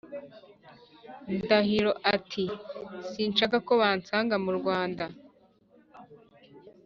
ndahiro ati: “sinshaka ko bansanga mu rwanda